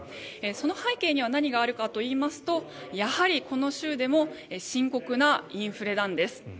その背景には何があるかといいますとやはりこの州でも深刻なインフレなんです。